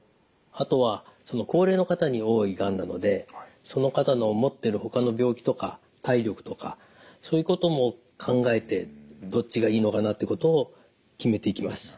あとは高齢の方に多いがんなのでその方の持っているほかの病気とか体力とかそういうことも考えてどっちがいいのかなってことを決めていきます。